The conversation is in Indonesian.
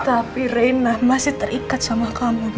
tapi reina masih terikat sama kamu noh